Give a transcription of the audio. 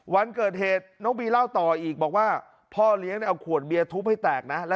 วันเกิดเหตุน้องบีเล่าต่ออีกบอกว่าพ่อเลี้ยงเอาขวดเบียร์ทุบให้แตกนะ